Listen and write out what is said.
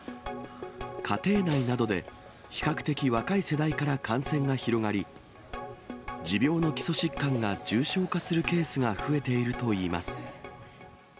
家庭内などで比較的若い世代から感染が広がり、持病の基礎疾患が重症化するケースが増えているといいます。